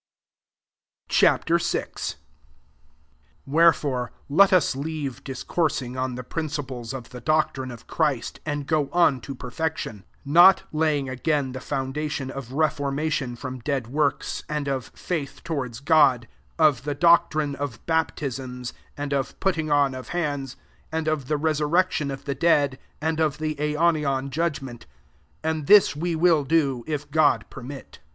Ch. yi. 1 Wherelore letw leave discoursing on the prin ciples of the doctrine of Christ, and go on to perfection ; not laying again, the foundation of reformation from dead wCrks, and of faith towards God, S of the doctrine of baptisms, and of putting on of hands, and oithe resurrection of the dead, and of the aionian judgment: 3 and this will we do, if God per mit.